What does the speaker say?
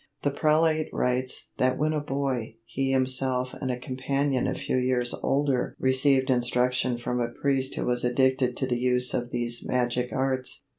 The prelate writes that when a boy, he himself and a companion a few years older received instruction from a priest who was addicted to the use of these magic arts.